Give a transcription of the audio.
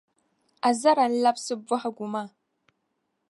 Azara n labsi bohagu maa.